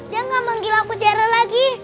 dia gak manggil aku tiara lagi